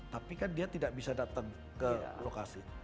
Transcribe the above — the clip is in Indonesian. tapi kan dia tidak bisa datang ke lokasi